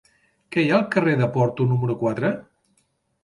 Què hi ha al carrer de Porto número quatre?